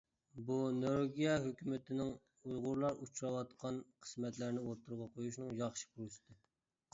بۇ نورۋېگىيە ھۆكۈمىتىنىڭ ئۇيغۇرلار ئۇچراۋاتقان قىسمەتلەرنى ئوتتۇرىغا قويۇشنىڭ ياخشى پۇرسىتى.